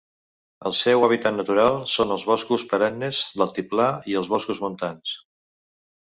El seu hàbitat natural són els boscos perennes d'altiplà i els boscos montans.